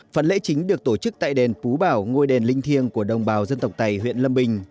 phần lễ chính được tổ chức tại đền phú bảo ngôi đền linh thiêng của đồng bào dân tộc tày huyện lâm bình